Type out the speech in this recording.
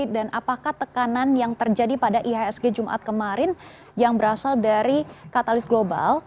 dan apakah tekanan yang terjadi pada ihsg jumat kemarin yang berasal dari katalis global